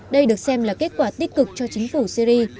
đây được xem là kết quả tích cực cho chính phủ syri